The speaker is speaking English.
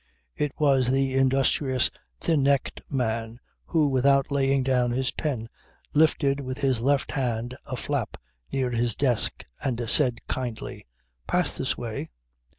It was the industrious thin necked man who without laying down his pen lifted with his left hand a flap near his desk and said kindly: "Pass this way."